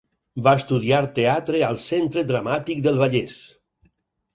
Va estudiar teatre al Centre Dramàtic del Vallès.